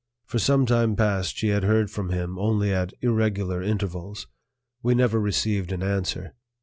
For some time past she had heard from him only at irregular intervals; we never received an answer.